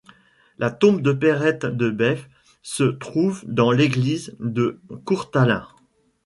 La tombe de Perette de Baif se trouve dans l'église de Courtalain.